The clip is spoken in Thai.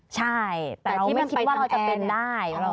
ใช่แต่ที่ไม่คิดว่าเราจะเป็นได้